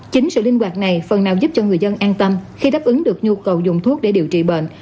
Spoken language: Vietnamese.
chính sự linh hoạt này phần nào giúp cho người dân an tâm khi đáp ứng được nhu cầu dùng thuốc để điều trị bệnh